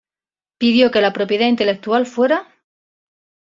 pidió que la propiedad intelectual fuera